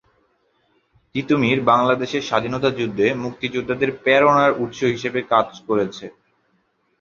তিতুমীর বাংলাদেশের স্বাধীনতা যুদ্ধে মুক্তিযোদ্ধাদের প্রেরণার উৎস হিসাবে কাজ করেছে।